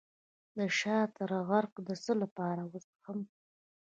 د شاه تره عرق د څه لپاره وڅښم؟